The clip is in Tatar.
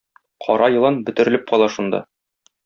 Кара елан бөтерелеп кала шунда.